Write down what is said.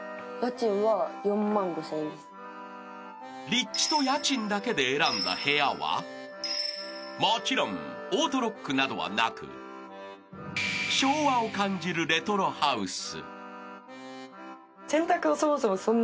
［立地と家賃だけで選んだ部屋はもちろんオートロックなどはなく昭和を感じるレトロハウス］